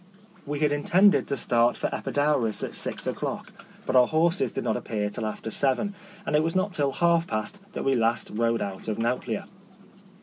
We had intended to start for Epi daurus at six o'clock, but our horses did not appear till after seven, and it was not till half past that we at last rode out of Nauplia.